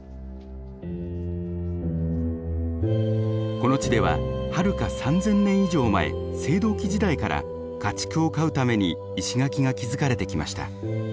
この地でははるか３，０００年以上前青銅器時代から家畜を飼うために石垣が築かれてきました。